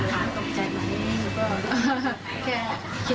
แล้วพอลูกค้าออกตกใจไหม